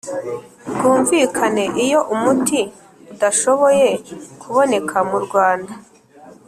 bwumvikane Iyo umuti udashoboye kuboneka murwanda